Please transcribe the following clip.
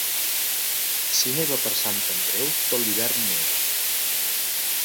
Si neva per Sant Andreu, tot l'hivern neu.